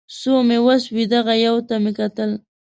څو مې وس و دغې یوې ته مې کتل